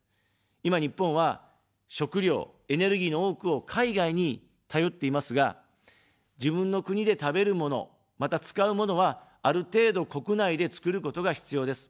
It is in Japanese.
今、日本は、食料、エネルギーの多くを海外に頼っていますが、自分の国で食べるもの、また、使うものは、ある程度、国内で作ることが必要です。